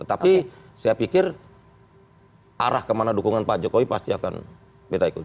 tapi saya pikir arah kemana dukungan pak jokowi pasti akan kita ikut